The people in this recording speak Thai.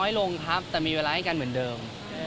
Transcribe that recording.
ครับครับครับครับครับครับครับครับครับครับครับ